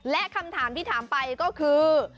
และคำถามที่ถามไปก็คือ